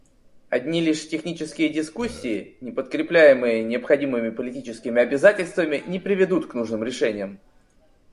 Одни лишь технические дискуссии, не подкрепляемые необходимыми политическими обязательствами, не приведут к нужным решениям.